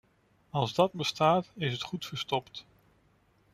Als dat bestaat, is het goed verstopt.